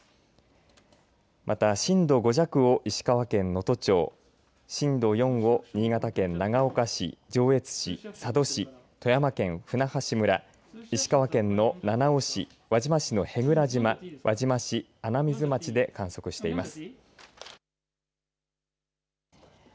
また震度５弱を石川県能登町震度４を新潟県長岡市、上越市佐渡市、富山県舟橋村石川県の七尾市、輪島市のへいむら島輪島市、穴水町で観測しています。